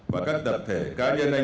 và các tập thể cá nhân anh hùng